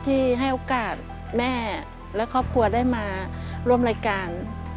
ที่ให้โอกาสแม่และครอบครัวได้มาร่วมรายการ